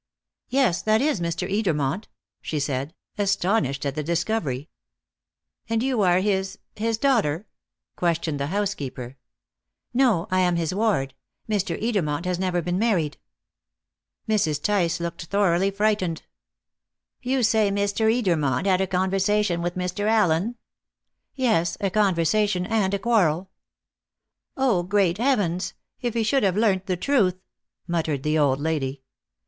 "Yes, that is Mr. Edermont," she said, astonished at the discovery. "And you are his his daughter?" questioned the housekeeper. "No; I am his ward. Mr. Edermont has never been married." Mrs. Tice looked thoroughly frightened. "You say Mr. Edermont had a conversation with Mr. Allen?" "Yes: a conversation and a quarrel" "Oh, great heavens! if he should have learnt the truth!" muttered the old lady.